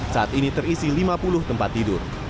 saat ini terisi lima puluh tempat tidur